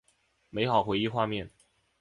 美好回忆画面